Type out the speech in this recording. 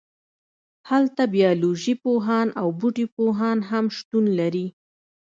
هلته بیالوژی پوهان او بوټي پوهان هم شتون لري